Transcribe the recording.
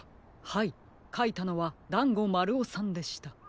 はいかいたのはだんごまるおさんでした。